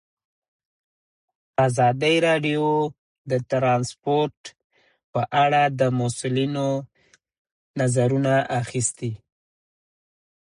ازادي راډیو د ترانسپورټ په اړه د مسؤلینو نظرونه اخیستي.